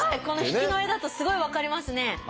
この引きの画だとすごい分かりますね。